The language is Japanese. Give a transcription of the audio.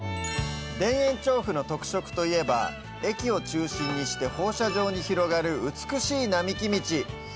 田園調布の特色といえば駅を中心にして放射状に広がる美しい並木道